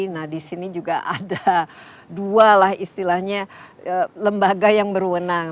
nah di sini juga ada dua lah istilahnya lembaga yang berwenang